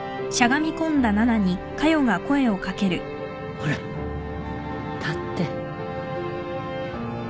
ほら立って。